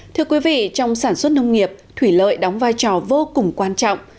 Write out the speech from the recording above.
thưa quý vị trong sản xuất nông nghiệp thủy lợi đóng vai trò vô cùng quan trọng